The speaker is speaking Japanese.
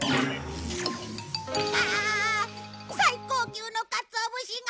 ああ最高級のかつお節が。